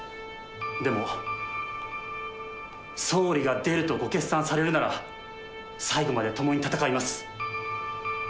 でも、総理が出るとご決断されるなら、最後までともに戦います。